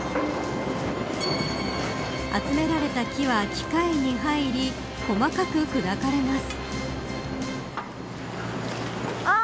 集められた木は機械に入り細かく砕かれます。